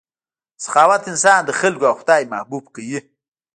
سخاوت انسان د خلکو او خدای محبوب کوي.